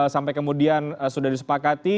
sampai kemudian sudah disepakati